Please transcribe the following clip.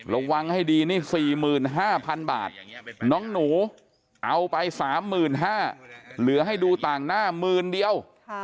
ระวังให้ดีนี่๔๕๐๐๐บาทน้องหนูเอาไป๓๕๐๐บาทเหลือให้ดูต่างหน้าหมื่นเดียว